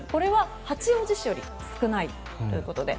これは八王子市より少ないということです。